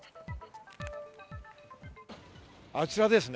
あちらですね。